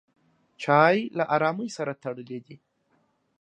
چای له ارامۍ سره تړلی دی.